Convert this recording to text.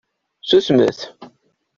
Susmet!